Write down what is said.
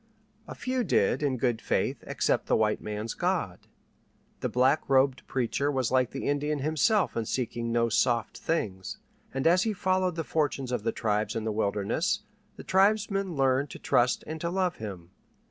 A few did, in good faith, accept the white man's God. The black robed preacher was like the Indian himself in seeking no soft things, and as he followed the fortunes of the tribes in the wilderness, the tribesmen learned to trust and to love him.